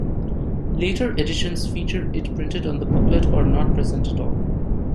Later editions feature it printed on the booklet or not present at all.